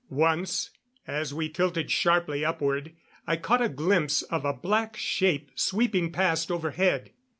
Once, as we tilted sharply upward, I caught a glimpse of a black shape sweeping past, overhead.